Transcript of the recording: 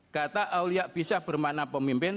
kata awliya bisa bermakna pemimpin